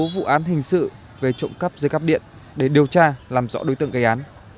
vụ án hình sự về trộm cắp dây cắp điện để điều tra làm rõ đối tượng gây án